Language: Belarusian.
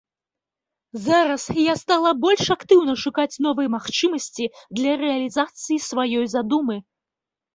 Зараз я стала больш актыўна шукаць новыя магчымасці для рэалізацыі сваёй задумы.